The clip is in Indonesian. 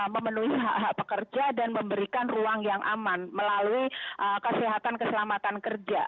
memenuhi hak hak pekerja dan memberikan ruang yang aman melalui kesehatan keselamatan kerja